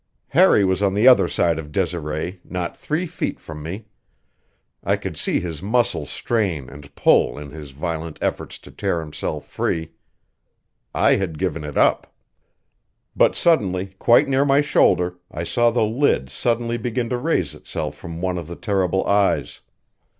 Harry was on the other side of Desiree, not three feet from me. I could see his muscles strain and pull in his violent efforts to tear himself free. I had given it up. But suddenly, quite near my shoulder, I saw the lid suddenly begin to raise itself from one of the terrible eyes.